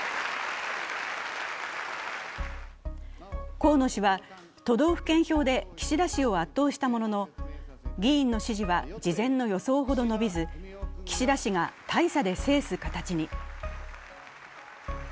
河野氏は都道府県票で岸田氏を圧倒したものの、議員の支持は事前の予想ほど伸びず、岸田氏が大差で制す形に。